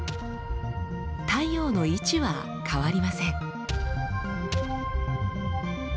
太陽の位置は変わりません。